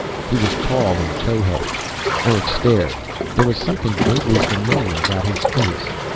He was tall and towheaded. Eric stared; there was something vaguely familiar about his face.